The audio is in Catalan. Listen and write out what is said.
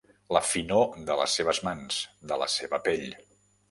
La finor de les seves mans, de la seva pell.